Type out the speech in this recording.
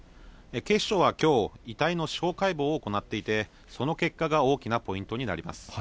警視庁はきょう、遺体の司法解剖を行っていて、その結果が大きなポイントになります。